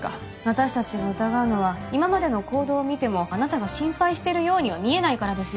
私達が疑うのは今までの行動を見てもあなたが心配しているようには見えないからですよ